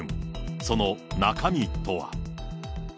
その中身とは。